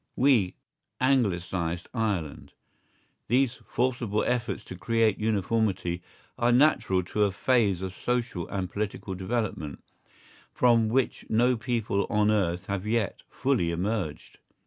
We "Anglicised" Ireland. These forcible efforts to create uniformity are natural to a phase of social and political development, from which no people on earth have yet fully emerged.